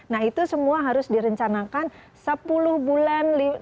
nah itu semua harus direncanakan sepuluh bulan